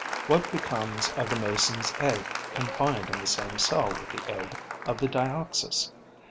What becomes of the Mason's egg confined in the same cell with the egg of the Dioxys?